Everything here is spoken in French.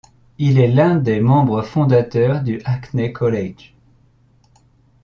Il est l'un des membres fondateurs du Hackney College.